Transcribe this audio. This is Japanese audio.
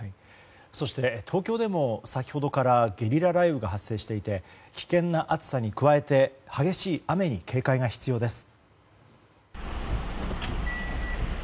そして東京でも先ほどからゲリラ雷雨が発生していて危険な暑さに加えて激しい雨に警戒が必要です。